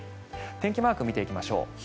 天気マーク見ていきましょう。